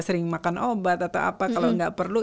sering makan obat atau apa kalau nggak perlu